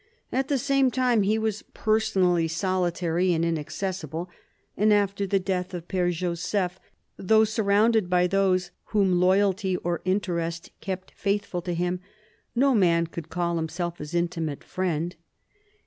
At the same time, he was personally solitary and inaccessible, and after the death of Pere Joseph, though surrounded by those whom loyalty or interest kept faithful to him, no man could call himself his intimate friend.